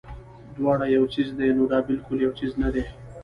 دواړه يو څيز دے نو دا بالکل يو څيز نۀ دے